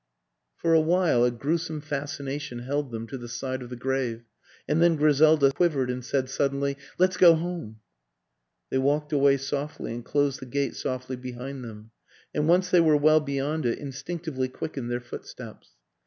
For a while a gruesome fascination held them to the side of the grave and then Griselda quivered and said suddenly, " Let's go home." They walked away softly and closed the gate softly behind them; and, once they were well be yond it, instinctively quickened their footsteps.